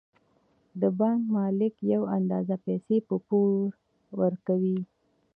د بانک مالک یوه اندازه پیسې په پور ورکوي